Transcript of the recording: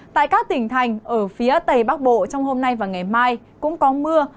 tại các tỉnh thành ở phía tây bắc bộ trong hôm nay và ngày mai cũng có mưa